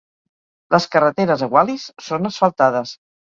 Les carreteres a Wallis són asfaltades.